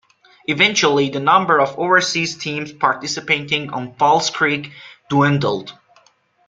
Eventually, the number of overseas teams participating on False Creek dwindled.